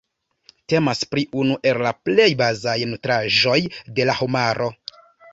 Temas pri unu el la plej bazaj nutraĵoj de la homaro.